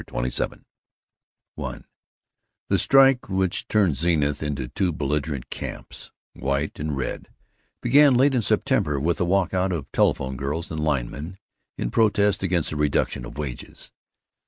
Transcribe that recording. CHAPTER XXVII I The strike which turned Zenith into two belligerent camps, white and red, began late in September with a walk out of telephone girls and linemen, in protest against a reduction of wages.